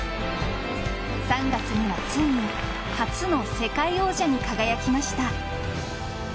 ３月にはついに初の世界王者に輝きました。